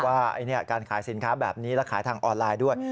ว่าการขายสินค้าแบบนี้และขายทางออนไลน์ด้วย